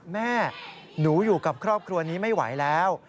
แม่หนูอยู่กับครอบครัวนี้ไม่ไหวแล้ว